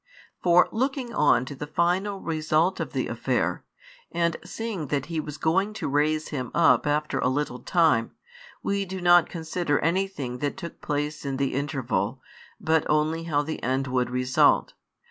For looking on to the final result of the affair, and seeing that He was going to raise him up after a little time, we do not consider anything that took place in the interval, but only how the end would result.